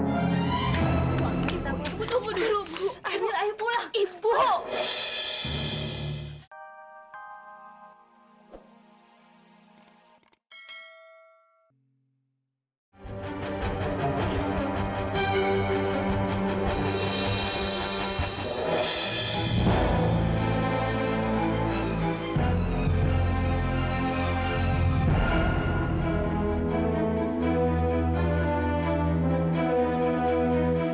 aku gak bisa jadi pembunuh kayak dia